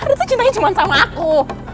itu cintanya cuma sama aku